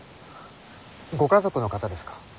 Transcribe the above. ご家族の方ですか？